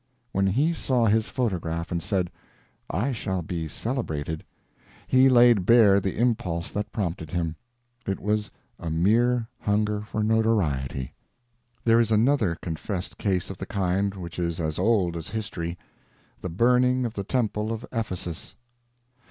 When he saw his photograph and said, "I shall be celebrated," he laid bare the impulse that prompted him. It was a mere hunger for notoriety. There is another confessed case of the kind which is as old as history—the burning of the temple of Ephesus.